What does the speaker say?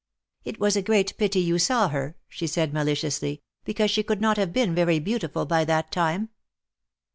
It was a great pity you saw her," she said, maliciously, '^because she could not have been very beautiful by that time."